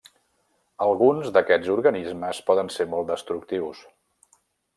Alguns d'aquests organismes poden ser molt destructius.